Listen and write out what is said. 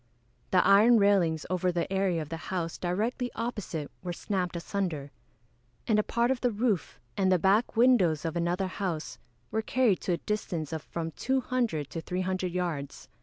The iron railings over the area of the house directly opposite were snapped asunder; and a part of the roof, and the back windows of another house, were carried to a distance of from 200 to 300 yards.